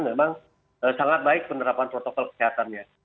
memang sangat baik penerapan protokol kesehatannya